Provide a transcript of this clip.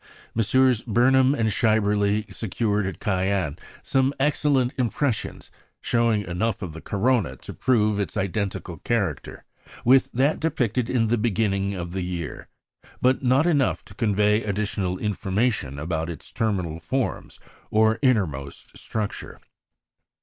Messrs. Burnham and Schaeberle secured at Cayenne some excellent impressions, showing enough of the corona to prove its identical character with that depicted in the beginning of the year, but not enough to convey additional information about its terminal forms or innermost structure.